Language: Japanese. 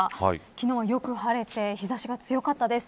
昨日はよく晴れて日差しが強かったです。